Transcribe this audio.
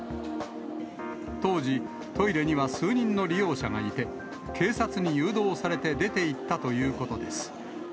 当時、トイレには数人の利用者がいて、警察に誘導されて出ていったということです。